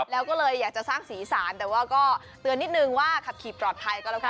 แล้วก็เลยอยากจะสร้างสีสารแต่ว่าก็เตือนนิดนึงว่าขับขี่ปลอดภัยก็แล้วกัน